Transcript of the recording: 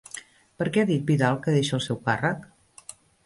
Per què ha dit Vidal que deixa el seu càrrec?